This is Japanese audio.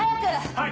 はい！